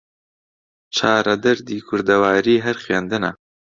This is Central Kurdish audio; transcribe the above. چارە دەردی کوردەواری هەر خوێندنە